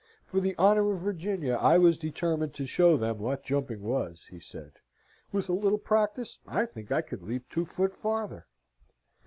"For the honour of Virginia I was determined to show them what jumping was," he said. "With a little practice I think I could leap two foot farther."